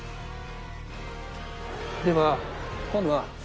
では今度は。